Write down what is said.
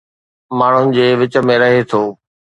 ماڻهن جي وچ ۾ رهي ٿو